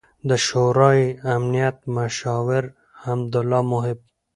، د شورای امنیت مشاور حمد الله محب